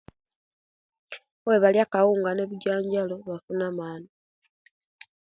Owebalia akawunga ne bijanjalo bafuna amani